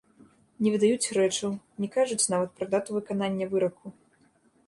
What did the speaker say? Не выдаюць рэчаў, не кажуць нават пра дату выканання выраку.